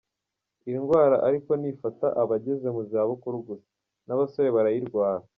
Iyi ndwara ariko ntifata abageze mu za bukuru gusa, n’abasore barayirwara.